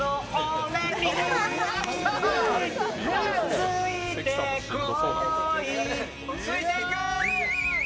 ついていく！